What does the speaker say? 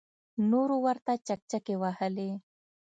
نورو ورته چکچکې وهلې.